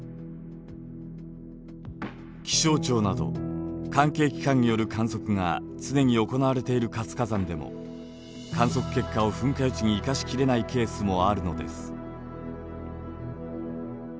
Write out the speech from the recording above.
気象庁など関係機関による観測が常に行われている活火山でも観測結果を噴火予知に生かしきれないケースもあるのです。